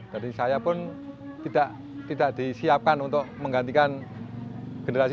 jadi saya pun tidak disiapkan untuk menggantikan generasi